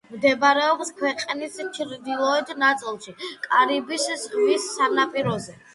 მდებარეობს ქვეყნის ჩრდილოეთ ნაწილში, კარიბის ზღვის სანაპიროზე.